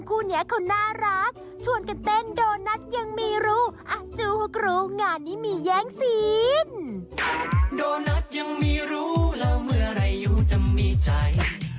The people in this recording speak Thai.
อุ้ยแอบเห็นตอนสุดท้าย